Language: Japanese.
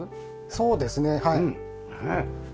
そうですねはい。